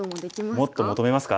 もっと求めますか？